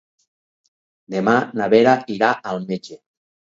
Demà na Vera irà al metge.